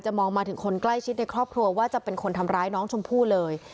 มองมาถึงคนใกล้ชิดในครอบครัวว่าจะเป็นคนทำร้ายน้องชมพู่เลย